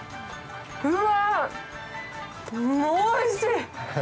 うわおいしい！